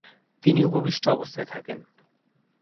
তিনি উপবিষ্ট অবস্থায় থাকেন।